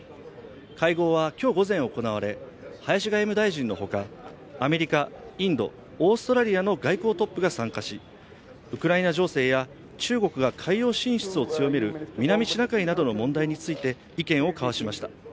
会合は今日午前行われ林外務大臣のほかアメリカインド、オーストラリアの外交トップが参加し、ウクライナ情勢や中国が海洋進出を強める南シナ海などの問題について意見を交わしました。